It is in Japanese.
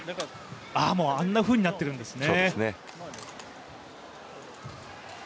あんなふうになってるんですね。